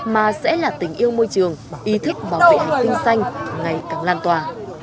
mà sẽ là tình yêu môi trường ý thức bảo vệ hành tinh xanh ngày càng lan tỏa